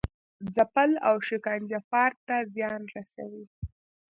ځپل او شکنجه فرد ته زیان رسوي.